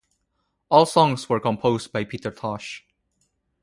All songs were composed by Peter Tosh.